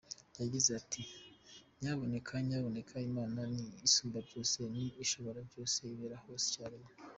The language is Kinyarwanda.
Yagize ati” Nyabuneka Nyabuneka, Imana ni Isumbabyose, ni Ishoborabyose, Ibera hose icyarimwe.